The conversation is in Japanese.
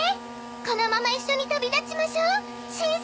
このまま一緒に旅立ちましょうシン世界へ！